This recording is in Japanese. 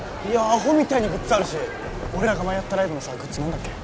アホみたいにグッズあるし俺らが前やったライブのさグッズなんだっけ？